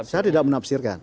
saya tidak menafsirkan